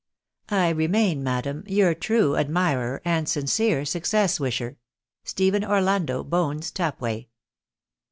" I remain, madam, " Your true admirer " And sincere success wisher, " Stephen Orlando Bones Tapway."